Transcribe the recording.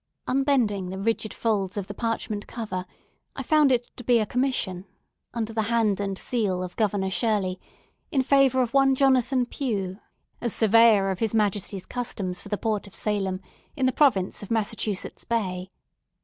Unbending the rigid folds of the parchment cover, I found it to be a commission, under the hand and seal of Governor Shirley, in favour of one Jonathan Pue, as Surveyor of His Majesty's Customs for the Port of Salem, in the Province of Massachusetts Bay.